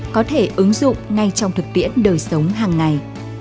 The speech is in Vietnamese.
có thể ứng dụng ngay trong thực tiễn đời sống hàng ngày